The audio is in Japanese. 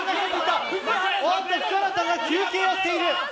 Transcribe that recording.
福原さんが休憩をしている！